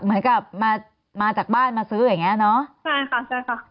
เหมือนกับมาจากบ้านมาซื้ออย่างนี้เนอะ